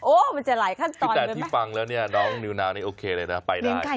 มันจะหลายขั้นตอนแต่ที่ฟังแล้วเนี่ยน้องนิวนาวนี่โอเคเลยนะไปได้